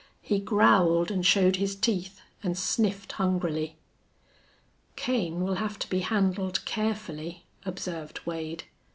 He growled and showed his teeth, and sniffed hungrily. "Kane will have to be handled carefully," observed Wade.